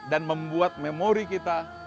dan membuat memori kita